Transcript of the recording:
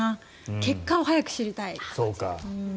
結果を早く知りたい。